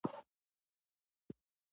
ما ورته وویل چې دلته هېڅوک هم نشته